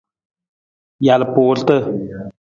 Jalpuurata.